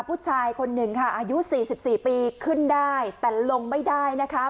ผู้ชายคนหนึ่งค่ะอายุ๔๔ปีขึ้นได้แต่ลงไม่ได้นะคะ